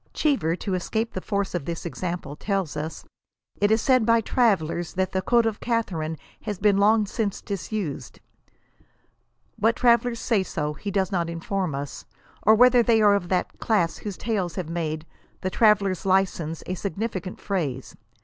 Cheever, to escape the force of this example, tells us " it is said by travellers that the code of Catharine has been long since disused." "What travellers say so, he does not inform us, or whether they are of that class whose tales have made " the traveller's license" a sig nificant phrase.